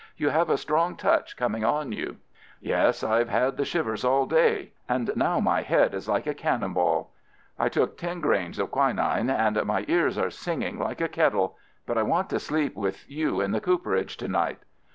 "You have a strong touch coming on you." "Yes, I've had the shivers all day, and now my head is like a cannon ball. I took ten grains of quinine, and my ears are singing like a kettle. But I want to sleep with you in the cooperage to night."